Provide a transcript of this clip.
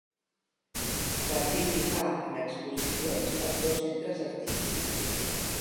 Participà en exposicions als dos centres artístics.